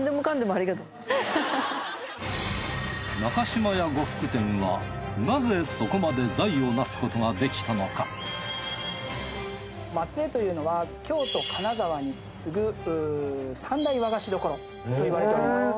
中島屋呉服店はなぜそこまで財を成すことができたのか松江というのは京都金沢に次ぐ三大和菓子処と言われております。